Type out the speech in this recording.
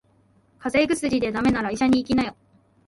風邪薬で駄目なら医者に行きなよ。